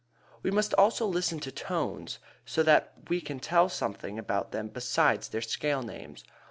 We must also listen to tones so that we can tell something about them besides their scale names.